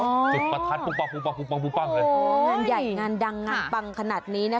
จุดประทัดปุ้งปั้งเลยโอ้งานใหญ่งานดังงานปังขนาดนี้นะคะ